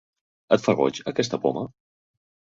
Et fa goig, aquesta poma?